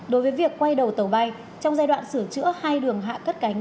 đối với việc quay đầu tàu bay trong giai đoạn sửa chữa hai đường hạ cất cánh